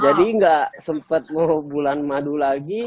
jadi gak sempet mau bulan madu lagi